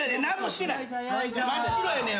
何もしてない。